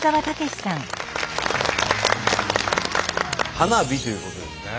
花火ということですね。